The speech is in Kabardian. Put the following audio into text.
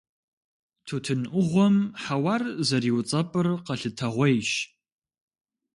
Тутын Ӏугъуэм хьэуар зэриуцӀэпӀыр къэлъытэгъуейщ.